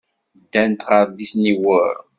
Ddant ɣer Disney World.